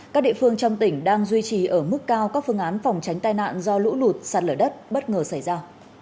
các địa phương trong tỉnh đang duy trì ở mức cao các phương án phòng tránh tai nạn do lũ lụt sạt lở đất bất ngờ xảy ra